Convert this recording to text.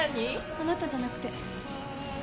あなたじゃなくて。